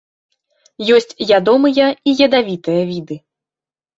Ёсць ядомыя і ядавітыя віды.